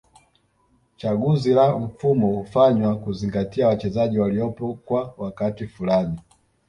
Chaguzi la mfumo hufanywa kuzingatia wachezaji waliopo kwa wakati fulani